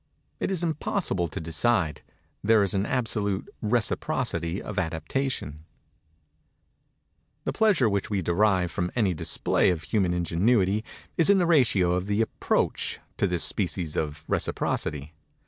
It is impossible to decide. There is an absolute reciprocity of adaptation. The pleasure which we derive from any display of human ingenuity is in the ratio of the approach to this species of reciprocity.